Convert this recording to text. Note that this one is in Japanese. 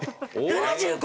７５！？